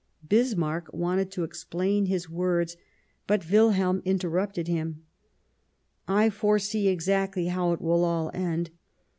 Bismarck wanted to explain his words, but Wilhelm interrupted him :" I foresee exactly how it will all end.